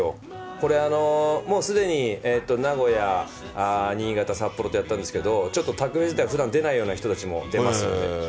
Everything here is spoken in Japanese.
これ、もうすでに名古屋、新潟、札幌とやったんですけど、ちょっとタクフェス自体ふだん出ないような人たちも出ますので。